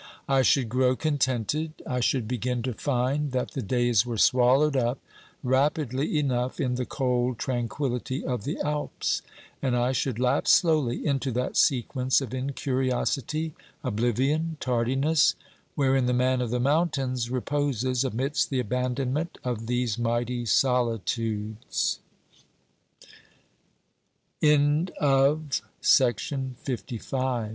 I should grow contented, I should begin to find that the days were swallowed up rapidly enough in the cold tran quillity of the Alps, and I should lapse slowly into that sequence of incuriosity, oblivion, tardiness, wherein the man of the mountains reposes amidst the abandonment of these